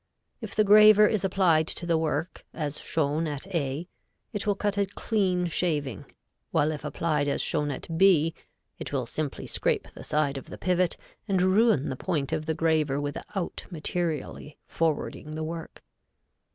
If the graver is applied to the work as shown at A, it will cut a clean shaving, while if applied as shown at B it will simply scrape the side of the pivot and ruin the point of the graver without materially forwarding the work.